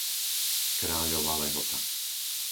Kráľova Lehota